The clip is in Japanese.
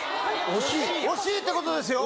惜しいってことですよ！